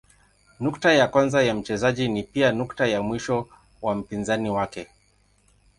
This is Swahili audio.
Nukta ya kwanza ya mchezaji ni pia nukta ya mwisho wa mpinzani wake.